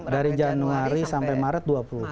dari januari sampai maret dua ribu dua puluh